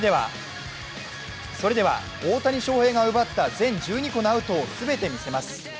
それでは、大谷翔平が奪った全１２個のアウトを全て見せます。